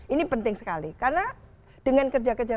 ini penting sekali karena dengan kerja kerja